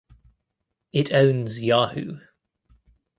It owns Yahoo!